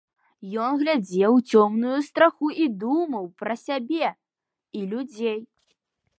Ён глядзеў у цёмную страху і думаў пра сябе і людзей.